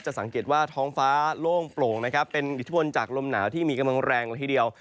สังเกตว่าท้องฟ้าโล่งโปร่งนะครับเป็นอิทธิพลจากลมหนาวที่มีกำลังแรงละทีเดียว